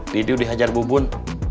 rizal dihajar bu bun